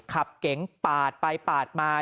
เก๋งปาดไปปาดมา